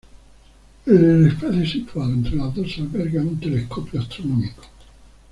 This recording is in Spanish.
En el espacio situado entre las dos se alberga un telescopio astronómico.